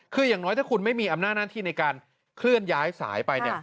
คืออย่างน้อยถ้าคุณไม่มีอำนาจหน้าที่ในการเคลื่อนย้ายสายไปเนี่ย